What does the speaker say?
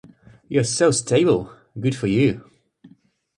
You're so stable. Good for you.